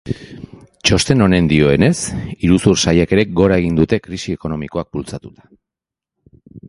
Txosten honen dioenez, iruzur saiakerek gora egin dute krisi ekonomikoak bultzatuta.